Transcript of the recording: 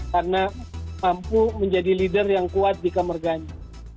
karena mampu menjadi leader yang kuat di kemarganya